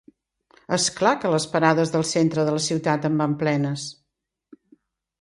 És clar que les parades del centre de la ciutat en van plenes.